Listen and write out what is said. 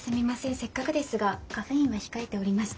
せっかくですがカフェインは控えておりまして。